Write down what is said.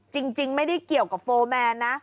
จริงไม่ได้เกี่ยวกับโฟร์แมนนะ